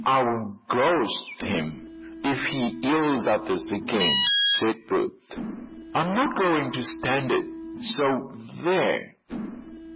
"I'll 'ghost' him, if he yells at us again," said Bert. "I'm not going to stand it, so there!"